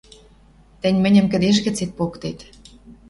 Тӹнь мӹньӹм кӹдеж гӹцет поктет.